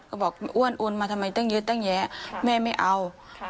ก็บอกอ้วนอ้วนมาทำไมเต้งเยอะเต้งแยะแม่ไม่เอา